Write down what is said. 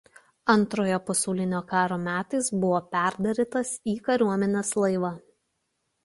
Antrojo pasaulinio karo metais buvo perdarytas į kariuomenės laivą.